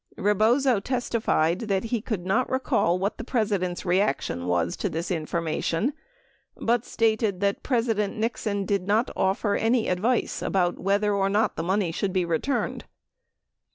16 Rebozo testified that he could not recall what the President's reaction was to this information but stated that President Nixon did not offer any advice about whether or not the money should be returned.